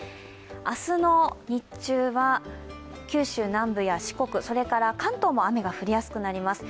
明日の日中は九州南部や四国、それから関東も雨が降りやすくなります。